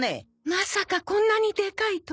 まさかこんなにでかいとは。